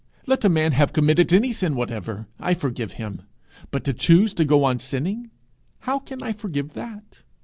Let a man have committed any sin whatever, I forgive him; but to choose to go on sinning how can I forgive that?